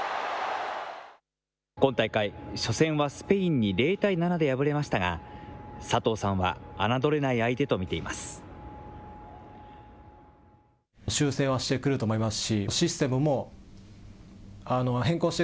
今大会、初戦はスペインに０対７で敗れましたが、佐藤さんは侮れない相手と見ています。